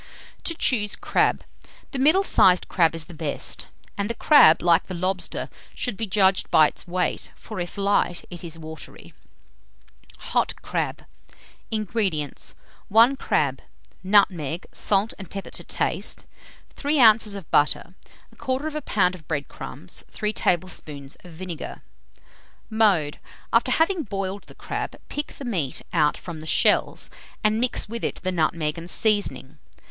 TO CHOOSE CRAB. The middle sized crab is the best; and the crab, like the lobster, should be judged by its weight; for if light, it is watery. HOT CRAB. 245. INGREDIENTS. 1 crab, nutmeg, salt and pepper to taste, 3 oz. of butter, 1/4 lb. of bread crumbs, 3 tablespoonfuls of vinegar. Mode. After having boiled the crab, pick the meat out from the shells, and mix with it the nutmeg and seasoning.